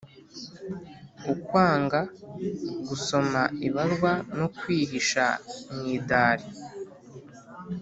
ukwanga gusoma ibarwa no kwihisha mwidari